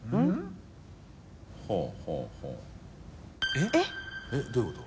えっどういうこと？